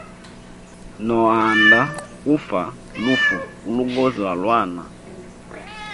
No anda ufa lufu ulugozi lwa lwana.